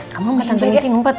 kamu main jajan umpet